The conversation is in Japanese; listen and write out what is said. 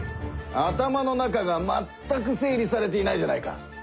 頭の中がまったく整理されていないじゃないか。